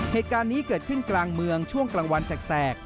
เหตุการณ์นี้เกิดขึ้นกลางเมืองช่วงกลางวันแสก